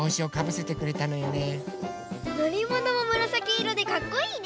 のりものもむらさきいろでかっこいいね。